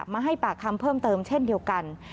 มาให้ปากคำเพิ่มเติมเช่นเดียวกัน